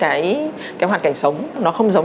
cái hoàn cảnh sống nó không giống